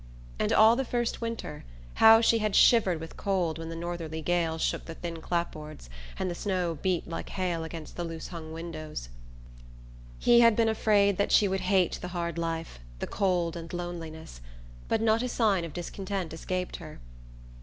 And all the first winter, how she had shivered with cold when the northerly gales shook the thin clapboards and the snow beat like hail against the loose hung windows! He had been afraid that she would hate the hard life, the cold and loneliness; but not a sign of discontent escaped her.